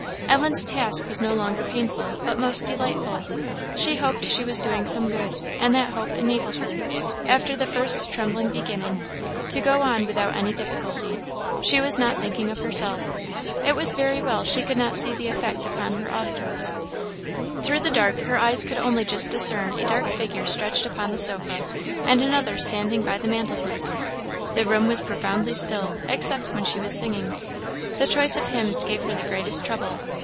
Ellen's task was no longer painful, but most delightful. She hoped she was doing some good; and that hope enabled her, after the first trembling beginning, to go on without any difficulty. She was not thinking of herself. It was very well she could not see the effect upon her auditors. Through the dark, her eyes could only just discern a dark figure stretched upon the sofa, and another standing by the mantle piece. The room was profoundly still, except when she was singing. The choice of hymns gave her the greatest trouble.